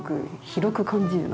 広く感じる。